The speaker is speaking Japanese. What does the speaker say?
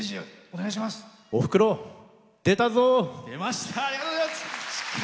おふくろ、出たぞ！